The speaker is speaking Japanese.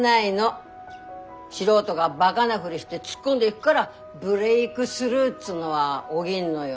素人がバガなふりして突っ込んでいぐがらブレークスルーっつうのは起ぎんのよ。